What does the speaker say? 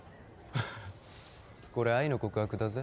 ハハハこれ愛の告白だぜ？